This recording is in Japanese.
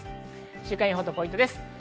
週間予報とポイントです。